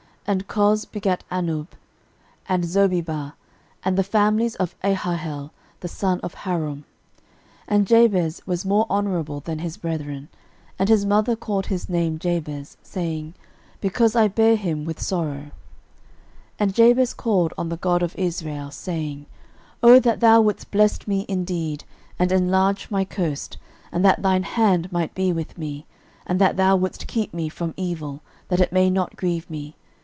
13:004:008 And Coz begat Anub, and Zobebah, and the families of Aharhel the son of Harum. 13:004:009 And Jabez was more honourable than his brethren: and his mother called his name Jabez, saying, Because I bare him with sorrow. 13:004:010 And Jabez called on the God of Israel, saying, Oh that thou wouldest bless me indeed, and enlarge my coast, and that thine hand might be with me, and that thou wouldest keep me from evil, that it may not grieve me!